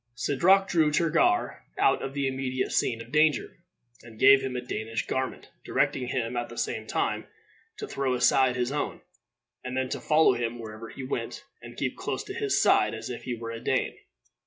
Sidroc drew Turgar out of the immediate scene of danger, and gave him a Danish garment, directing him, at the same time, to throw aside his own, and then to follow him wherever he went, and keep close to his side, as if he were a Dane.